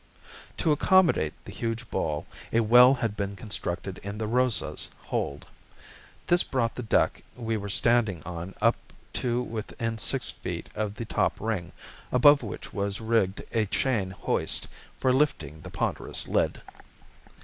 To accommodate the huge ball a well had been constructed in the Rosa's hold. This brought the deck we were standing on up to within six feet of the top ring, above which was rigged a chain hoist for lifting the ponderous lid.